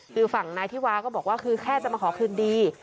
คือฝั่งนายธิวาก็บอกว่าคือแค่จะมาขอคืนดี